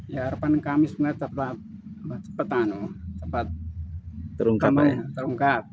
ya harapan kami sempat terungkap